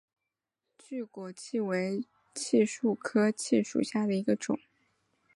巨果槭为槭树科槭属下的一个种。